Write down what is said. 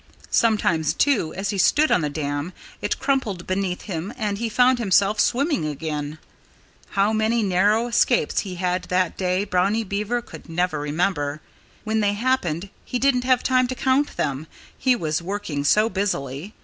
Sometimes, too, as he stood on the dam it crumbled beneath him and he found himself swimming again. How many narrow escapes he had that day Brownie Beaver could never remember. When they happened, he didn't have time to count them, he was working so busily.